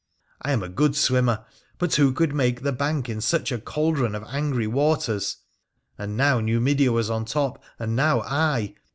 I am a good swimmer, but who could make the bank in such a cauldron of angry waters ? and now Numidea was on top, and now I.